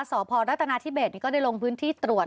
สพรัฐนาธิเบสก็ได้ลงพื้นที่ตรวจ